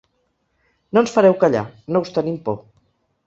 No ens fareu callar, no us tenim por.